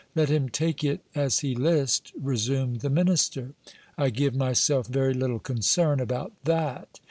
Let him take it as he list, resumed the minister ; I give myself very little concern about that.